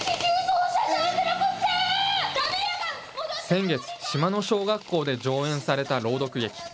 先月、島の小学校で上演された朗読劇。